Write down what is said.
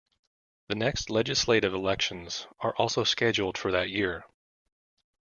The next legislative elections are also scheduled for that year.